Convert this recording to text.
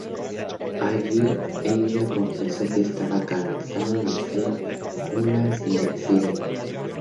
Allí, ella confesó que estaba cansada de ser "una sirena".